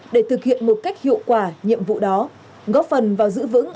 để thực hiện một cách hiệu quả nhiệm vụ đó góp phần vào giữ vững